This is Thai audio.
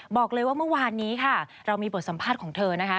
บอกเลยว่าเมื่อวานนี้ค่ะเรามีบทสัมภาษณ์ของเธอนะคะ